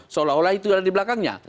seolah olah itu ada di belakangnya